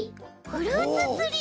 フルーツツリー？